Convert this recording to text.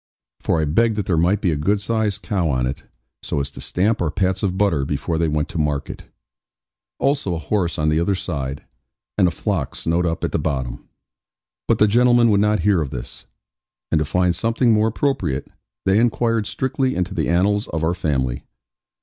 For I begged that there might be a good sized cow on it, so as to stamp our pats of butter before they went to market: also a horse on the other side, and a flock snowed up at the bottom. But the gentlemen would not hear of this; and to find something more appropriate, they inquired strictly into the annals of our family.